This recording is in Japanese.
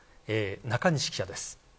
中西記者です。